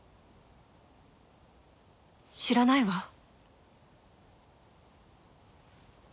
知らないわ